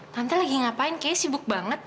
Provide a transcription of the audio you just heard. tante lagi ngapain kayaknya sibuk banget